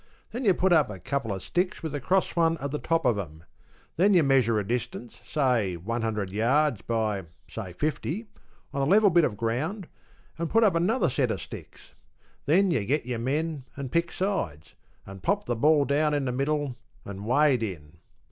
Then you put up a couple of sticks with a cross one on the top of 'em. Then you measure a distance, say one hundred yards by, say, fifty, on a level bit of ground, and put up another set of sticks. Then you get your men, and pick sides, and pop the ball down in the middle, and wade in.